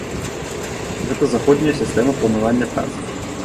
Гэта заходняя сістэма планавання працы.